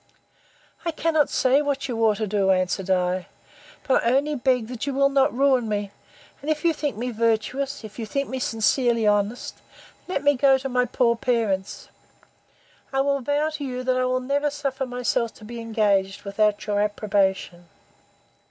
I cannot say what you ought to do, answered I: but I only beg you will not ruin me; and, if you think me virtuous, if you think me sincerely honest, let me go to my poor parents. I will vow to you, that I will never suffer myself to be engaged without your approbation.